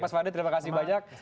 mas fadli terima kasih banyak